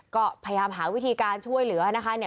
ก็พยายามหาวิธีการช่วยเหลือนะคะ